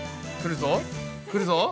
くるぞ。